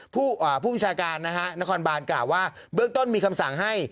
ผู้ประชาการนะฮะนครบานกล่าวว่าเบื้องต้นมีคำสั่งให้